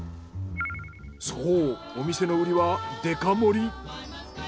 そうお店のウリはデカ盛り。